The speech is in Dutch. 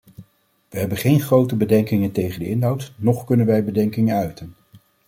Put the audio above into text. We hebben geen grote bedenkingen tegen de inhoud, noch kunnen wij bedenkingen uiten.